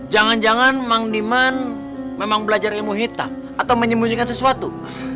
jangan jangan mang diman memang belajar ilmu hitam atau menyembunyikan sesuatu